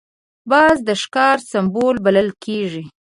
باز د ښکار سمبول بلل کېږي